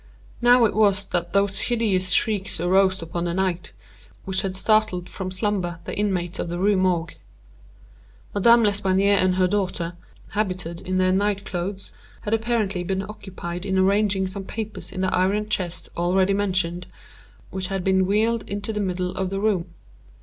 Now it was that those hideous shrieks arose upon the night, which had startled from slumber the inmates of the Rue Morgue. Madame L'Espanaye and her daughter, habited in their night clothes, had apparently been occupied in arranging some papers in the iron chest already mentioned, which had been wheeled into the middle of the room.